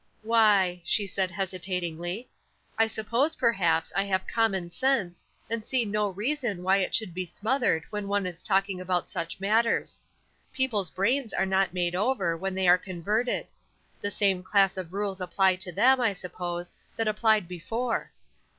"Why," she said, hesitatingly, "I suppose, perhaps, I have common sense, and see no reason why it should be smothered when one is talking about such matters. People's brains are not made over when they are converted. The same class of rules apply to them, I suppose, that applied before."